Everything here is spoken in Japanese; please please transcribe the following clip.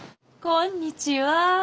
こんにちは。